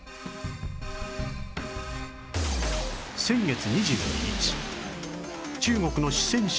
先月２２日中国の四川省では